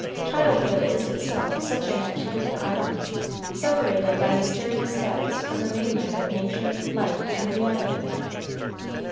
Childhood is itself such an enchanted island, separated by mysterious depths from the mainland of nature, life, and reality.